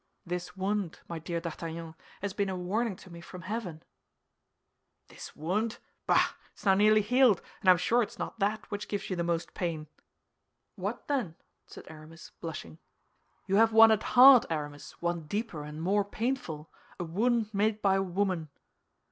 "This wound, my dear D'Artagnan, has been a warning to me from heaven." "This wound? Bah, it is now nearly healed, and I am sure it is not that which gives you the most pain." "What, then?" said Aramis, blushing. "You have one at heart, Aramis, one deeper and more painful—a wound made by a woman."